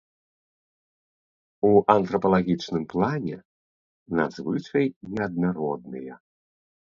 У антрапалагічным плане надзвычай неаднародныя.